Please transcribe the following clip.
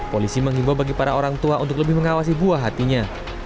polisi menghimbau bagi para orang tua untuk lebih mengawasi buah hatinya